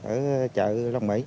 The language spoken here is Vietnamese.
ở chợ long mỹ